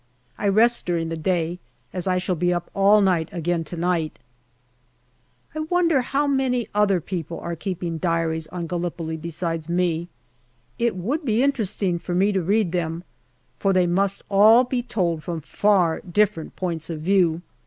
I rest during the day, as I shall be up all night again to night. 200 GALLIPOLI DIARY I wonder how many other people are keeping diaries on Gallipoli besides me. It would be interesting for me to read them, for they must all be told from far different points of view.